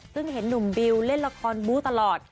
ซึ่งเห็นหนุ่มบิวเล่นละครบู้ตลอด